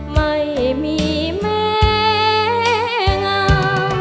ไม่มีแม่งาม